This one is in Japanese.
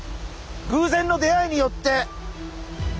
偶然の出会いによって。